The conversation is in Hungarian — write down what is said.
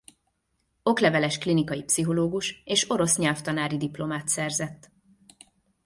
Okleveles klinikai pszichológus és orosz nyelvtanári diplomát szerzett.